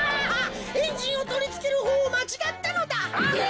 エンジンをとりつけるほうをまちがったのだ。え！？